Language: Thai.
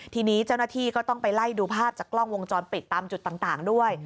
ทีนี้เจ้าหน้าที่ก็ต้องไปไล่ดูภาพจากกล้องวงจรปิดตามจุดต่างด้วย